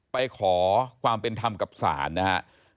ไปขอความเป็นธรรมกับศาลนะครับ